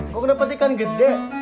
kok kena petikan gede